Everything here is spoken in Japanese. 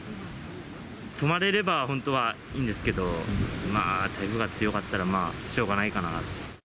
泊まれれば、本当はいいんですけど、まあ台風が強かったら、しょうがないかな。